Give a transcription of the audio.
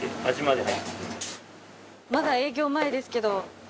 まだ営業前ですけど。